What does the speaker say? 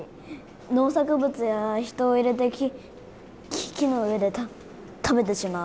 農作物や人を入れて木の上で食べてしまう。